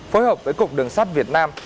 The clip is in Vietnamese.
phối hợp với cục đường sắt việt nam